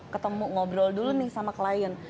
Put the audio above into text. ketemu ngobrol dulu nih sama klien